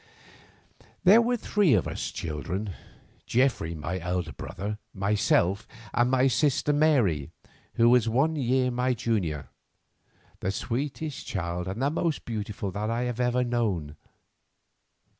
There were three of us children, Geoffrey my elder brother, myself, and my sister Mary, who was one year my junior, the sweetest child and the most beautiful that I have ever known.